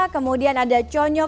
kemudian ada chonyok